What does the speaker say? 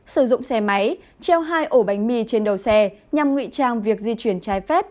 sử dụng xe máy treo hai ổ bánh mì trên đầu xe nhằm ngụy trang việc di chuyển trái phép